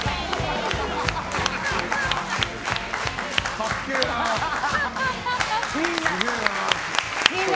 かっけええな。